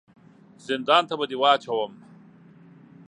زندان ته به دي واچوم !